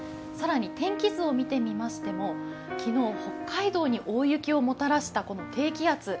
更に天気図を見てみましても、昨日北海道に大雪をもたらしたこの低気圧。